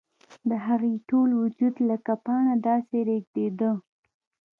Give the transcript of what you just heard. د هغې ټول وجود لکه پاڼه داسې رېږدېده